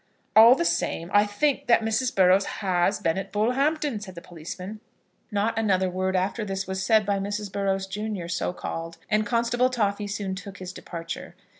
"All the same, I think that Mrs. Burrows has been at Bullhampton," said the policeman. Not another word after this was said by Mrs. Burrows, junior, so called, and constable Toffy soon took his departure.